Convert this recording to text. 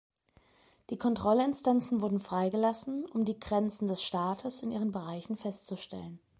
Die Kontrollinstanzen wurden freigelassen, um die Grenzen des Staates in ihren Bereichen festzustellen.